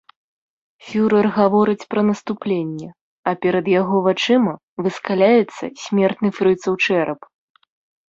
Фюрэр гаворыць пра наступленне, а перад яго вачыма выскаляецца смертны фрыцаў чэрап.